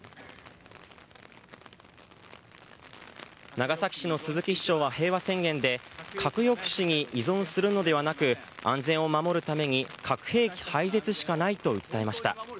長崎市の鈴木市長は平和宣言で核抑止に依存するのではなく安全を守るために核兵器廃絶しかないと訴えました。